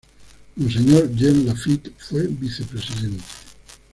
Monseñor Jean Laffitte fue vicepresidente.